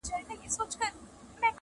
• تش په نوم که د نیکونو ژوندي پایو -